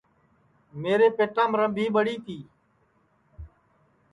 میرے پیٹیام رمبھی پڑی تی